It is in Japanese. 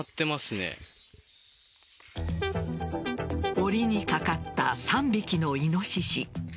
おりにかかった３匹のイノシシ。